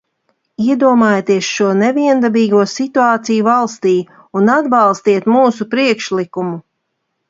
Iedomājieties šo neviendabīgo situāciju valstī un atbalstiet mūsu priekšlikumu!